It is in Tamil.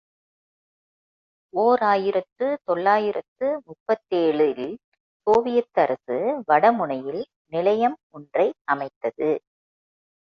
ஓர் ஆயிரத்து தொள்ளாயிரத்து முப்பத்தேழு இல் சோவியத்து அரசு வடமுனையில் நிலையம் ஒன்றை அமைத்தது.